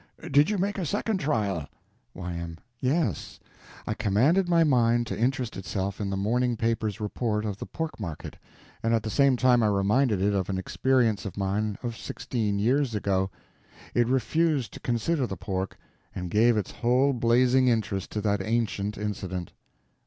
Did you make a second trial? Y.M. Yes. I commanded my mind to interest itself in the morning paper's report of the pork market, and at the same time I reminded it of an experience of mine of sixteen years ago. It refused to consider the pork and gave its whole blazing interest to that ancient incident.